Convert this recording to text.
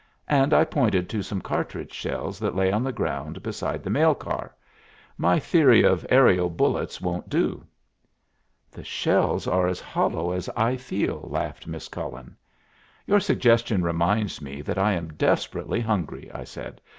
And I pointed to some cartridge shells that lay on the ground beside the mail car. "My theory of aerial bullets won't do." "The shells are as hollow as I feel," laughed Miss Cullen. "Your suggestion reminds me that I am desperately hungry," I said.